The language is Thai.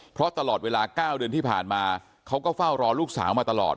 เพราะตลอดเวลา๙เดือนที่ผ่านมาเขาก็เฝ้ารอลูกสาวมาตลอด